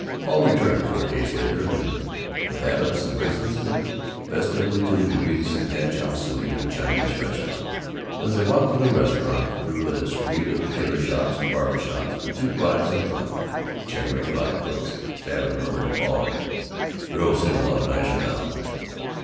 Paul returned four days later, and the Babbitts and Rieslings went festively to the movies and had chop suey at a Chinese restaurant. As they walked to the restaurant through a street of tailor shops and barber shops, the two wives in front, chattering about cooks, Babbitt murmured to Paul, "Zil seems a lot nicer now."